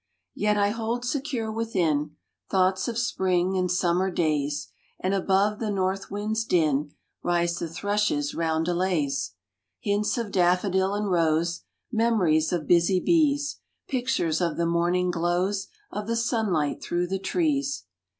Yet I hold secure within Thoughts of spring and summer days, And above the north wind s din Rise the thrush s roundelays. Hints of daffodil and rose, Memories of busy bees ; Pictures of the morning glows Of the sunlight through the trees.